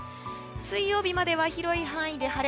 水曜日までは広い範囲で晴れ。